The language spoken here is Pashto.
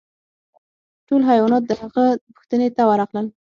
ټول حیوانات د هغه پوښتنې ته ورغلل.